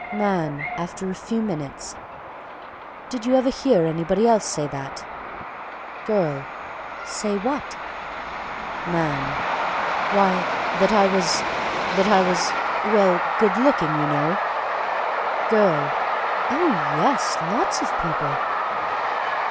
_) MAN. (After a few minutes.) "Did you ever hear anybody else say that?" GIRL. "Say what?" MAN. "Why, that I was that I was well, good looking, you know?" GIRL. "Oh, yes! Lots of people!"